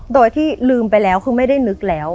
โดยที่ลืมไปแล้วคือไม่ได้นึกแล้ว